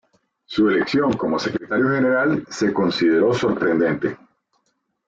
Su elección como Secretario General se consideró sorprendente.